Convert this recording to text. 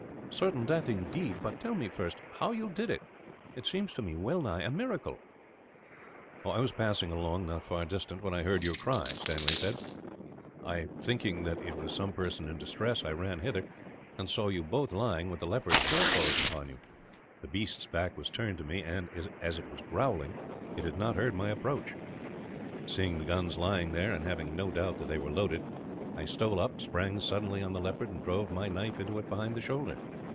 "Certain death, indeed. But tell me, first, how you did it. It seems to me well nigh a miracle." "I was passing along, not far distant, when I heard your cry," Stanley said. "Thinking that it was some person in distress, I ran hither, and saw you both lying, with the leopard's forepaws upon you. The beast's back was turned to me and, as it was growling, it had not heard my approach. Seeing the guns lying there and having no doubt that they were loaded I stole up, sprang suddenly on the leopard, and drove my knife into it behind the shoulder.